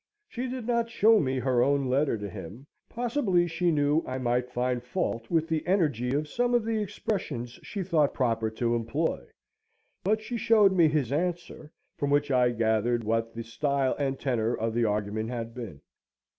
She did not show me her own letter to him; possibly she knew I might find fault with the energy of some of the expressions she thought proper to employ; but she showed me his answer, from which I gathered what the style and tenor of her argument had been.